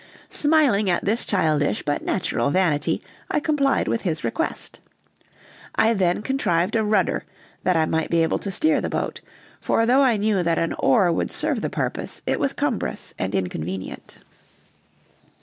Smiling at this childish but natural vanity, I complied with his request. I then contrived a rudder, that I might be able to steer the boat; for though I knew that an oar would serve the purpose, it was cumbrous and inconvenient.